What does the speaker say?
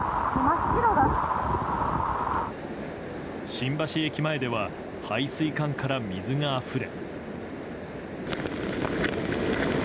新橋駅前では排水管から水があふれ。